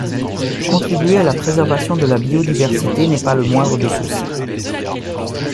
Contribuer à la préservation de la biodiversité n’est pas le moindre de ceux-ci.